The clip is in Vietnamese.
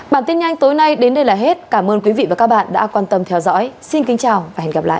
bản tin nhanh tối nay đến đây là hết cảm ơn quý vị và các bạn đã quan tâm theo dõi xin kính chào và hẹn gặp lại